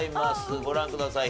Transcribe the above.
ご覧ください。